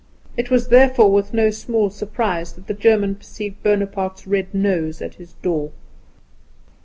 It was therefore with no small surprise that the German perceived Bonaparte's red nose at the door.